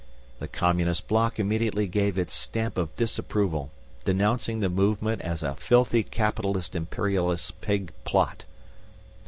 The Communist Block immediately gave its Stamp of Disapproval, denouncing the movement as a filthy Capitalist Imperialist Pig plot.